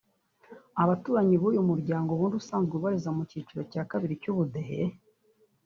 Abaturanyi b’uyu muryango ubundi usanzwe ubarizwa mu cyiciro cya kabiri cy’ubudehe